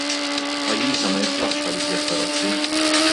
Pajjiżna ma jiflaħx għal iżjed karozzi.